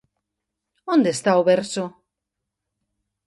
Onde está o verso?